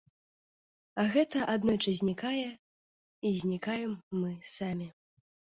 А гэта аднойчы знікае, і знікаем мы самі.